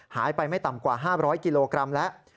ไม่ต่ำกว่า๕๐๐กิโลกรัมแล้ว